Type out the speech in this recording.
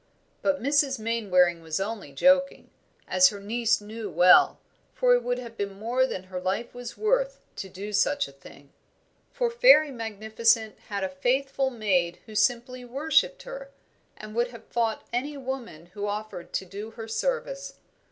But Mrs. Mainwaring was only joking, as her niece knew well, for it would have been more than her life was worth to do such a thing. For Fairy Magnificent had a faithful maid who simply worshipped her, and would have fought any woman who offered to do her service.